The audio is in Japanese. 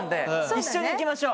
一緒に行きましょう。